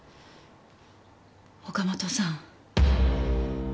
岡本さん。